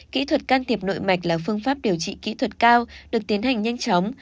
kỹ thuật can thiệp nội mạch là phương pháp điều trị kỹ thuật cao được tiến hành nhanh chóng